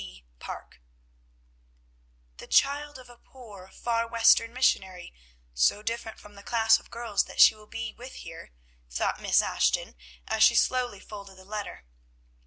G. PARKE. "The child of a poor, far western missionary, so different from the class of girls that she will be with here," thought Miss Ashton as she slowly folded the letter.